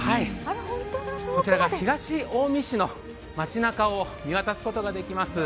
こちら東近江市の街中を見渡すことができます。